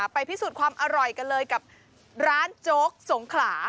พิสูจน์ความอร่อยกันเลยกับร้านโจ๊กสงขลา